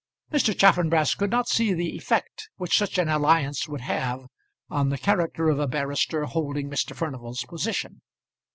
Mr. Chaffanbrass could not see the effect which such an alliance would have on the character of a barrister holding Mr. Furnival's position.